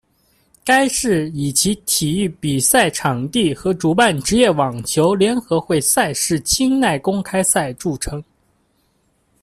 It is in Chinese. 该市以其体育比赛场地和主办职业网球联合会赛事清奈公开赛着称。